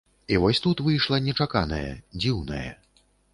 І вось тут выйшла нечаканае, дзіўнае.